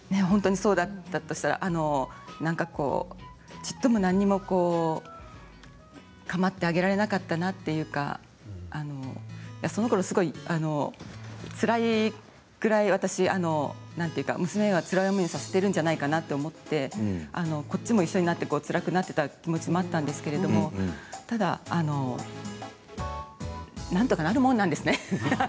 本当にそうだったとしたらあの、なんかこう、ちっとも何も構ってあげられなかったなというかそのころすごい、つらいぐらい私なんていうか娘をつらい思いをさせているんじゃないかなと思ってこっちも一緒になってつらくなっていた気持ちもあったんですけど、ただなんとかなるもんなんですね。